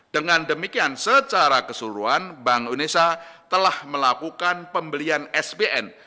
dengan demikian secara keseluruhan bank indonesia telah melakukan pembelian sbn